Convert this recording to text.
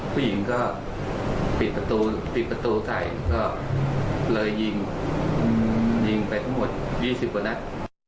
ผู้หญิงก็ปิดประตูใสก็เลยยิงไปทั้งหมด๒๐กว่านัก